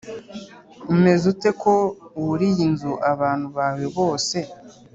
umeze ute ko wuriye inzu abantu bawe bose